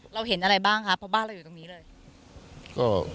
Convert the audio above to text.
เราเห็นอะไรบ้างครับเพราะบ้านเราอยู่ตรงนี้เลย